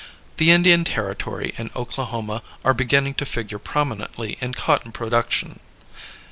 The Indian Territory and Oklahoma are beginning to figure prominently in cotton production.